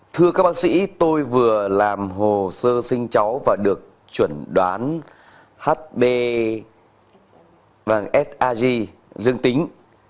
thưa các bác sĩ tôi vừa làm hồ sơ sinh cháu và được chuẩn đoán hb sag dương tính